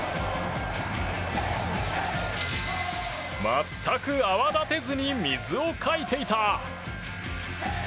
全く泡立てずに水をかいていた！